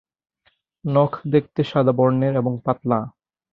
নখ দেখতে সাদা বর্ণের এবং পাতলা।